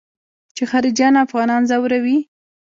چې خارجيان افغانان ځوروي.